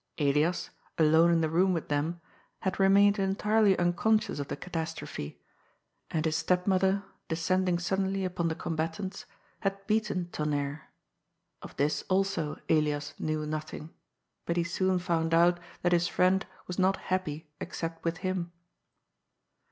Elias, alone in the room with them, had remained entirely unconscious of the catastrophe. And his stepmother, descending suddenly upon the combatants, had beaten Tonnerre. Of this also STEPMOTHBRa 59 Elias knew nothings but he soon found out that his friend was not happy except with him.